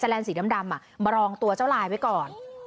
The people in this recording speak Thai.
แลนสีดำมารองตัวเจ้าลายไว้ก่อน